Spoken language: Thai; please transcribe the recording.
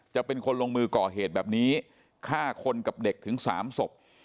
จะเป็นคนลงมือก่อเหตุแบบนี้ฆ่าคนกับเด็กถึง๓ศพ